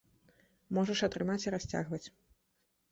Можаш атрымаць і расцягваць.